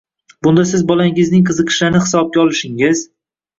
Bunda siz bolangizning qiziqishlarini hisobga olishingiz